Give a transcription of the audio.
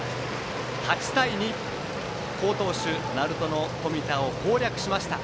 ８対２、好投手鳴門の冨田を攻略しました。